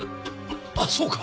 あそうか！